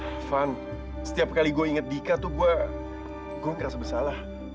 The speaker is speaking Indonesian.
irfan setiap kali gue inget dika tuh gue gue ngerasa bersalah